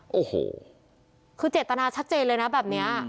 โอ้โหคือเจตนาชัดเจนเลยนะแบบนี้